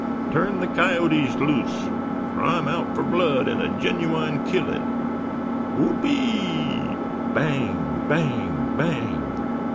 "Turn the coyotes loose! Fer I'm out fer blood and a genwine killing! Whoope e e e!" "Bang, bang, bang!"